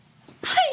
はい！